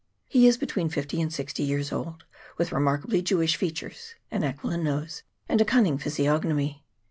He is between fifty and sixty years old, with remarkably Jewish features, an aquiline nose, and a cunning physiognomy.